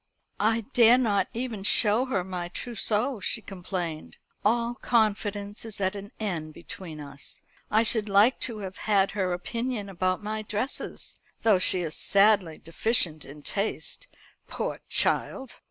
"I dare not even show her my trousseau," she complained, "all confidence is at an end between us. I should like to have had her opinion about my dresses though she is sadly deficient in taste, poor child!